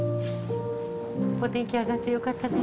お天気上がってよかったです。